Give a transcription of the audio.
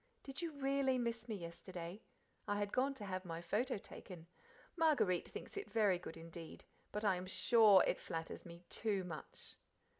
Did you REALLY miss me yesterday? I had gone to have my photo taken. Marguerite thinks it very good indeed, but I am SURE it flatters me TOO much.